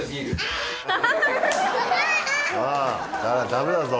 ダメだぞ！